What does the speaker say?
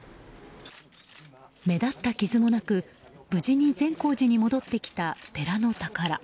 目立った傷もなく無事に善光寺に戻ってきた寺の宝。